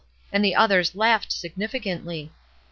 and the others laughed significantly.